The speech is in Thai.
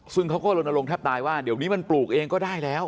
ซึ่งเขาก็ลนลงแทบตายว่าเดี๋ยวนี้มันปลูกเองก็ได้แล้ว